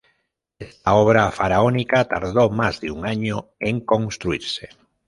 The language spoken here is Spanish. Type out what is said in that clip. Esta obra faraónica tardó más de un año en construirse.